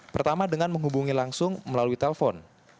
pertama dengan menghubungi langsung melalui telepon